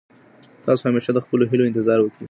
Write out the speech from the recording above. تاسو همېشه د خپلو هيلو انتظار ولرئ.